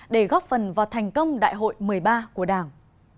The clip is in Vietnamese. để góp phần vào thành công đại hội một mươi ba của đảng